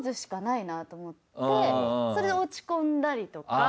それで落ち込んだりとか。